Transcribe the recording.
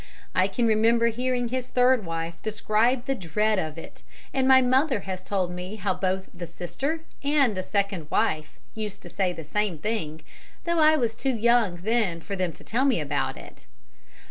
"I can remember hearing his third wife describe his dread of it, and my mother has told me how both the sister and the second wife used to say the same thing, though I was too young then for them to tell me about it.